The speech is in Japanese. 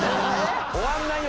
終わんないよ！